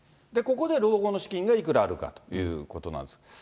ここで老後の資金がいくらあるかということなんです。